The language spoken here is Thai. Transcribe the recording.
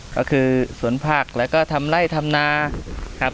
ก็คือสวนผักแล้วก็ทำไล่ทำนาครับ